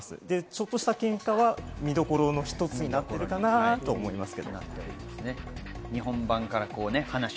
ちょっとしたケンカは見どころの一つになっているかなと思います。